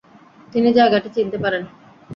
তিনি জায়গাটি চিনতে পারেন।